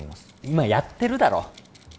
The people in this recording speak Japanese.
今やってるだろ！